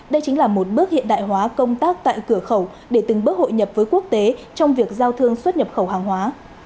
đây chính là một bước hiện đại hóa công tác tại cửa khẩu để từng bước hội nhập với quốc tế trong việc giao thương xuất nhập khẩu hàng hóa